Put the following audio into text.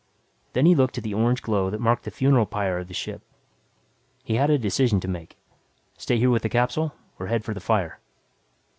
Then he looked at the orange glow that marked the funeral pyre of the ship. He had a decision to make; stay here with the capsule or head for the fire.